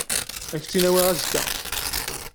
Ad ak-tt-in-awiɣ azekka.